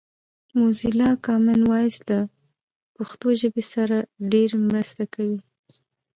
موزیلا کامن وایس له پښتو ژبې سره ډېره مرسته کوي